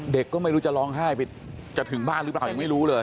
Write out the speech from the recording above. เด็กก็ไม่รู้จะร้องไห้ไปจะถึงบ้านหรือเปล่ายังไม่รู้เลย